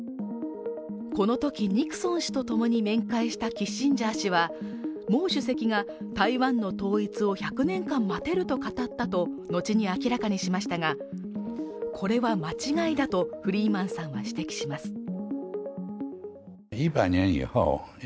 このとき、ニクソン氏と共に面会したキッシンジャー氏は毛主席が台湾の統一を１００年間待てると語ったとのちに明らかにしましたが、これは間違いだとフリーマンさんは指摘します。